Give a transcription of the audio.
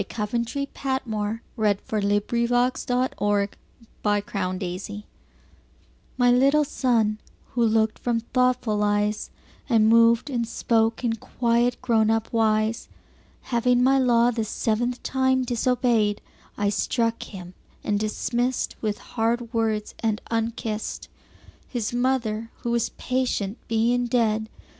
Coventry Patmore. 1823–1896 763. The Toys MY little Son, who look'd from thoughtful eyes And moved and spoke in quiet grown up wise, Having my law the seventh time disobey'd, I struck him, and dismiss'd With hard words and unkiss'd, 5 —His Mother, who was patient, being dead.